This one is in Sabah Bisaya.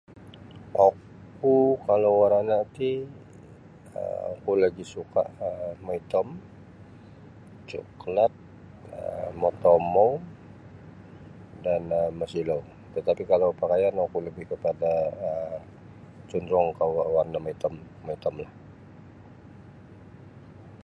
Oku kalau warana' ti um oku lagi' suka um maitom cuklat um motomou dan um masilou tatapi kalau pakaian um oku lebih kepada cenderung ke warna maitom maitomlah.